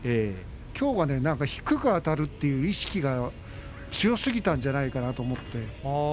きょうは低くあたるという意識が強すぎたんじゃないからと思って。